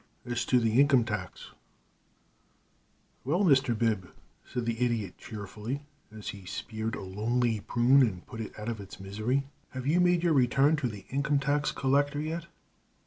IV AS TO THE INCOME TAX "Well, Mr. Bib," said the Idiot cheerfully, as he speared a lonely prune and put it out of its misery, "have you made your return to the income tax collector yet?"